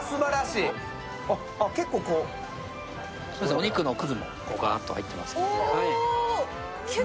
お肉のくずもバーンと入ってますので。